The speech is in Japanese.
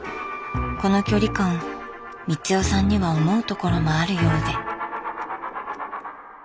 この距離感光代さんには思うところもあるようで。